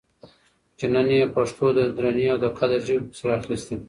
چې نن یې پښتو درنې او د قدر ژبې پسې راخیستې